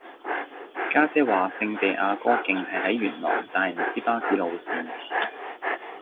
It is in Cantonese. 家姐話聖地牙哥徑係喺元朗但係唔知巴士路線